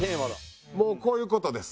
もうこういう事です。